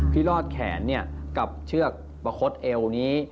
ที่รอดแขนกับเชือกประคดเอวนี้